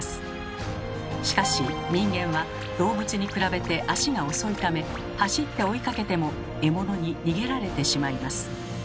しかし人間は動物に比べて足が遅いため走って追いかけても獲物に逃げられてしまいます。